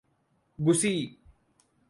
گسی